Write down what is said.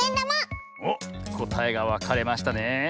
おっこたえがわかれましたねえ。